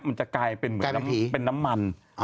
มันจะกลายเป็นเหมือนเป็นน้ำมัน